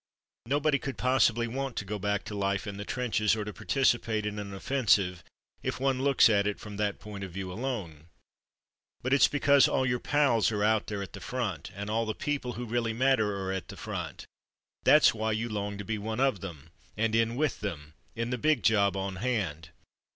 Nobody could possibly want to go back to life in the trenches or to participate in an offensive, if one looks at it from that point of view alone. But it's because all your pals are out there at the front, and all the people who really matter are at the front ; that's why you long to be one of them, and in with them, in the big job on hand.